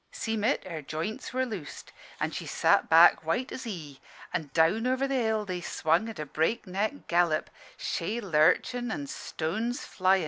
"Seem' it, her joints were loosed, an' she sat back white as he; an' down over the hill they swung at a breakneck gallop, shay lurchin' and stones flyin'.